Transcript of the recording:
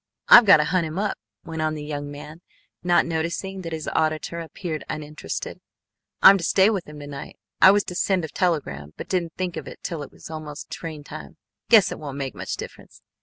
"I've got to hunt him up," went on the young man, not noticing that his auditor appeared uninterested. "I'm to stay with him to night. I was to send a telegram, but didn't think of it till it was almost train time. Guess it won't make much difference.